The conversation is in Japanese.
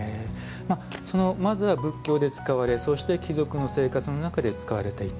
まずは仏教で使われそして貴族の間で使われていった。